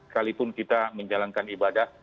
walaupun kita menjalankan ibadah